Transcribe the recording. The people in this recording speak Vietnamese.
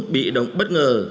bị động bất ngờ